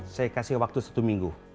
saya kasih waktu satu minggu